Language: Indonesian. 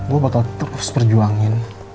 gue bakal terus perjuangin